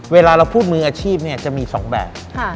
เวลาเราพูดมืออาชีพจะมี๒แบบ